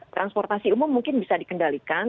transportasi umum mungkin bisa dikendalikan